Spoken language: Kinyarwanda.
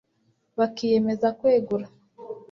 bakiyemeza kwegura